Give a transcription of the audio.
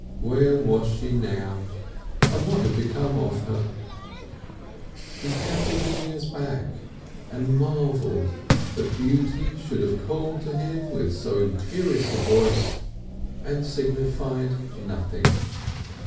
Where was she now, and what had become of her? He counted the years back and marvelled that beauty should have called to him with so imperious a voice and signified nothing.